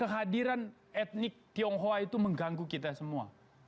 kehadiran etnik tionghoa itu mengganggu kita semua